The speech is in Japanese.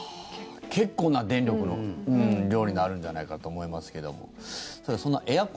結構な電力の量になるんじゃないかと思いますけど